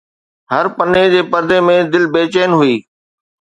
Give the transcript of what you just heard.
هر پني جي پردي ۾ دل بيچين هئي